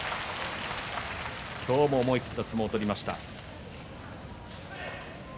今日も思い切った相撲を取りました。